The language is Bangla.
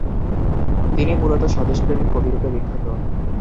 তিনি মূলত স্বদেশপ্রেমিক কবিরূপে বিখ্যাত।